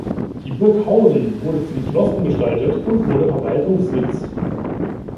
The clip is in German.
Die Burg Hausen wurde zum Schloss umgestaltet und wurde Verwaltungssitz.